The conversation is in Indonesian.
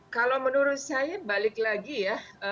kalau menurut saya balik lagi ya